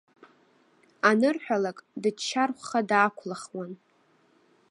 Анырҳәалак, дыччархәха даақәлахуан.